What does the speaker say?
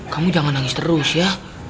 kamu jangan nangis terus ya